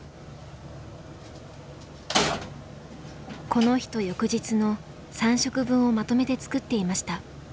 この日と翌日の３食分をまとめて作っていました。